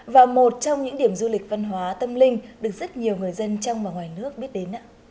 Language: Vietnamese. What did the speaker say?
và một trong những điểm du lịch văn hóa tâm linh được rất nhiều người dân trong và ngoài nước biết đến ạ